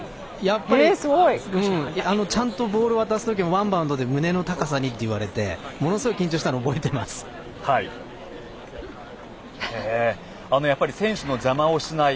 ちゃんとボール渡す時もワンバウンドで胸の高さにって言われてものすごい緊張したの選手の邪魔をしない。